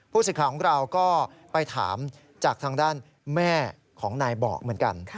สิทธิ์ของเราก็ไปถามจากทางด้านแม่ของนายบอกเหมือนกัน